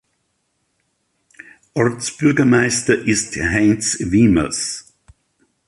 Ortsbürgermeister ist Heinz Wiemers.